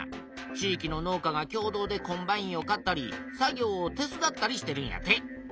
地いきの農家が共同でコンバインを買ったり作業を手伝ったりしてるんやて。